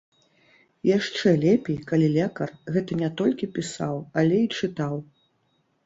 Яшчэ лепей, калі лекар гэта не толькі пісаў, але і чытаў.